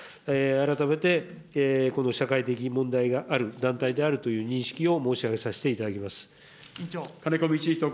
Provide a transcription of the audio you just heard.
改めてこの社会的問題がある団体であるという認識を申し上げさせ委員長。